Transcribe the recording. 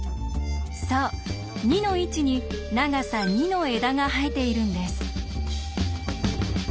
そう２の位置に長さ２の枝が生えているんです。